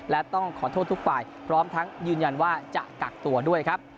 และต้องขอโทษทุกฝ่ายพร้อมทั้งยืนยันว่าจะกักตัวด้วยครับ